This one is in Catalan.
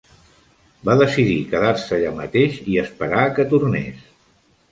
Va decidir quedar-se allà mateix i esperar a que tornés.